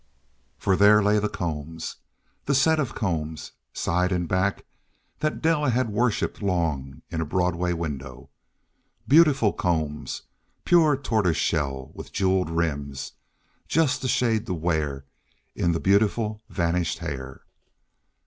For there lay The Combs—the set of combs, side and back, that Della had worshipped long in a Broadway window. Beautiful combs, pure tortoise shell, with jewelled rims—just the shade to wear in the beautiful vanished hair.